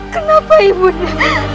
kenapa ibu nda